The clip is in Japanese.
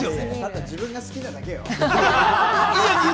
ただ自分が好きなだけよ。